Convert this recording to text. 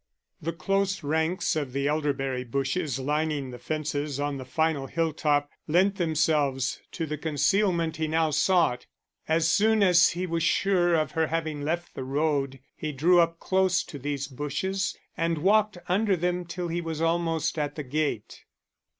The close ranks of the elderberry bushes lining the fences on the final hill top lent themselves to the concealment he now sought. As soon as he was sure of her having left the road he drew up close to these bushes and walked under them till he was almost at the gate.